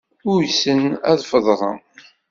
Uysen ad feḍren.